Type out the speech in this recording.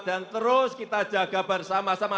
dan terus kita jaga bersama sama